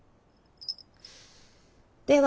では。